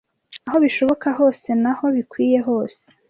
aho bishoboka hose naho bikwiye hose